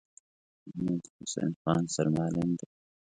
محمدحسین خان سرمعلم دی.